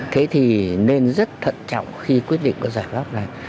thế thì nên rất thận trọng khi quyết định cái giải pháp này